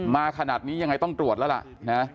มาขนาดนี้ยังไงต้องตรวจแล้วล่ะนะ